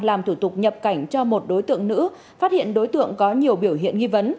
làm thủ tục nhập cảnh cho một đối tượng nữ phát hiện đối tượng có nhiều biểu hiện nghi vấn